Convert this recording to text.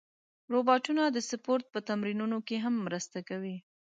روبوټونه د سپورت په تمرینونو کې هم مرسته کوي.